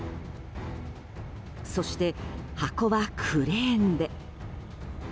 そして、箱はクレーンで。